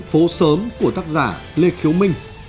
phố sớm của tác giả lê khiếu minh